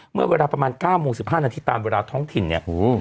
เมื่อเวลาประมาณ๙โมง๑๕นาทีตามเวลาท้องถิ่นเนี่ย